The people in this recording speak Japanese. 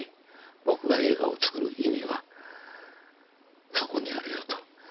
僕が映画をつくる意味はそこにあるよと。